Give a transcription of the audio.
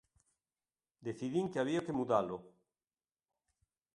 Decidín que había que mudalo.